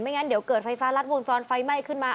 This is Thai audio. งั้นเดี๋ยวเกิดไฟฟ้ารัดวงจรไฟไหม้ขึ้นมา